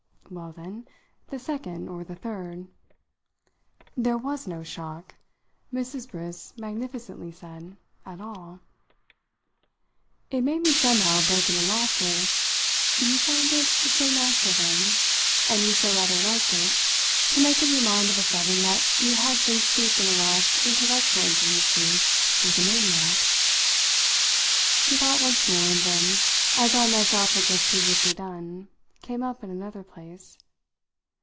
"Well, then, the second or the third." "There was no shock," Mrs. Briss magnificently said, "at all." It made me somehow break into laughter. "You found it so natural then and you so rather liked it to make up your mind of a sudden that you had been steeped in the last intellectual intimacy with a maniac?" She thought once more, and then, as I myself had just previously done, came up in another place.